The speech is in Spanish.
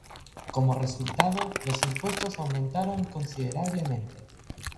Como resultado, los impuestos aumentaron considerablemente.